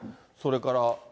それから。